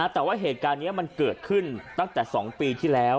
แต่ว่าเหตุการณ์นี้มันเกิดขึ้นตั้งแต่๒ปีที่แล้ว